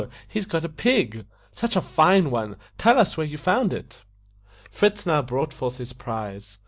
he's got a pig! such a fine one. Tell us where you found it." Fritz now brought forth his prize.